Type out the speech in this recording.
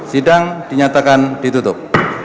sidang dinyatakan ditutup